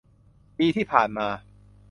ปีที่ผ่านมา